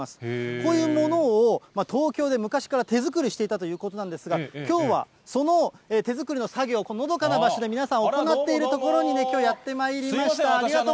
こういうものを東京で昔から手作りしていたということなんですが、きょうはその手作りの作業をのどかな場所で皆さん、行っている所にきょうはやってまいりました。